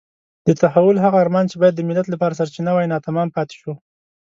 د تحول هغه ارمان چې باید د ملت لپاره سرچینه وای ناتمام پاتې شو.